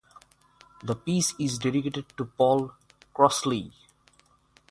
The piece is dedicated to Paul Crossley.